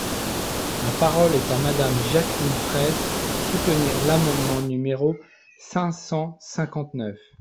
La parole est à Madame Jacqueline Fraysse, pour soutenir l’amendement numéro cinq cent cinquante-neuf.